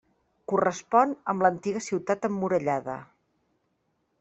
Correspon amb l'antiga ciutat emmurallada.